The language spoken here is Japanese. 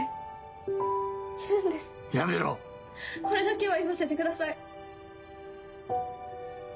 これだけは言わせてください。